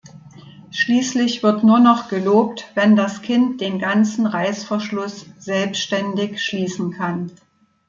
Schließlich wird nur noch gelobt, wenn das Kind den ganzen Reißverschluss selbstständig schließen kann.